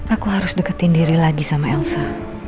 aku harus deketin diri lagi sama elsa